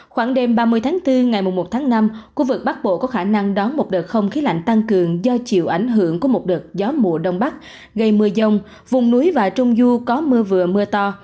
khoảng đêm ba mươi tháng bốn ngày một tháng năm khu vực bắc bộ có khả năng đón một đợt không khí lạnh tăng cường do chịu ảnh hưởng của một đợt gió mùa đông bắc gây mưa dông vùng núi và trung du có mưa vừa mưa to